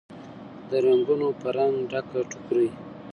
د رنګونوپه رنګ، ډکه ټوکرۍ